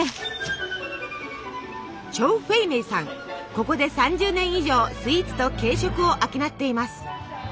ここで３０年以上スイーツと軽食を商っています。